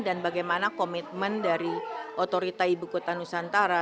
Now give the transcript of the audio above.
dan bagaimana komitmen dari otorita ibu kota nusantara